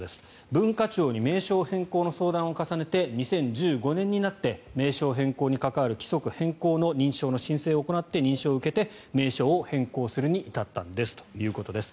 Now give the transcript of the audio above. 文化庁に名称変更の相談を重ねて２０１５年になって名称変更に関わる規則変更の認証の申請を行って認証を受けて、名称を変更するに至ったんですということです。